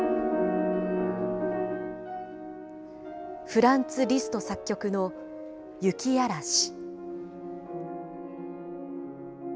フランツ・リスト作曲の雪あらし。